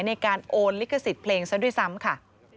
ในการโอนลิขสิทธิ์เพลงซะด้วยซ้ำค่ะ